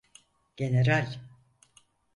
General.